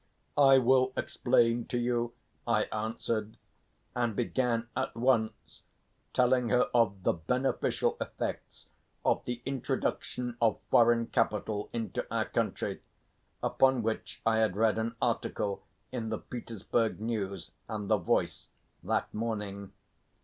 "I will explain to you," I answered, and began at once telling her of the beneficial effects of the introduction of foreign capital into our country, upon which I had read an article in the Petersburg News and the Voice that morning.